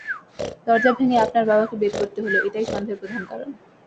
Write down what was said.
দরজা ভেঙে আপনার বাবাকে বের করতে হল, এটাই সন্দেহের প্রধান কারণ।